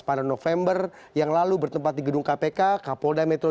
pada november yang lalu bertempat di gedung kpk kapolda metro